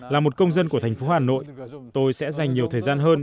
là một công dân của thành phố hà nội tôi sẽ dành nhiều thời gian hơn